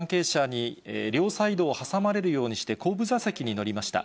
警察の関係者に両サイドを挟まれるようにして、後部座席に乗りました。